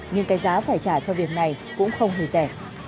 nhưng cái giá phải trả cho việc này cũng không hề rẻ